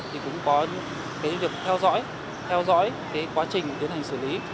thì cũng có cái việc theo dõi theo dõi cái quá trình tiến hành xử lý